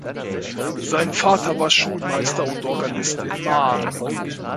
Sein Vater war Schulmeister und Organist in Maar.